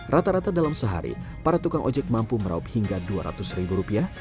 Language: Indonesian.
rata rata dalam sehari para tukang ojek mampu meraup hingga dua ratus ribu rupiah